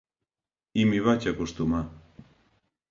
I m’hi vaig acostumar.